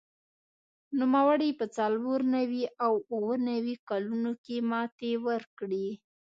نوموړي په څلور نوي او اووه نوي کلونو کې ماتې ورکړې